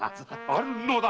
あるのだ！